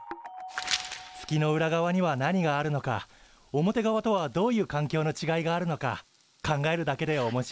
月の裏側には何があるのか表側とはどういう環境のちがいがあるのか考えるだけでおもしろいよね。